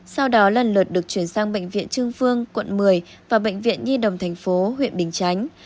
sau đó lần lượt được chuyển sang bệnh viện trương phương quận một mươi và bệnh viện nhi đồng tp huyện bình chánh